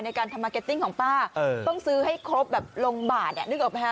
ในการทำมาร์เก็ตติ้งของป้าต้องซื้อให้ครบแบบลงบาทนึกออกไหมฮ